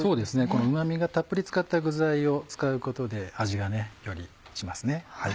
このうま味がたっぷりつかった具材を使うことで味がよりしますね。